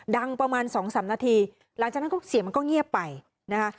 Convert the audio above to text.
ดังประมาณสองสามนาทีหลังจากนั้นก็เสียงมันก็เงียบไปนะคะ